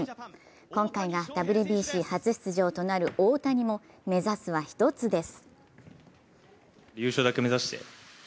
今回がＷＢＣ初出場となる大谷も、目指すは一つです。